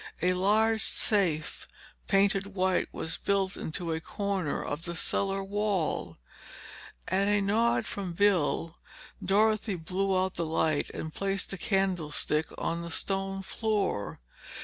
A large safe, painted white, was built into a corner of the cellar wall. At a nod from Bill, Dorothy blew out the light and placed the candlestick on the stone floor.